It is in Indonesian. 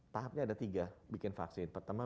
tahapnya ada tiga bikin vaksin pertama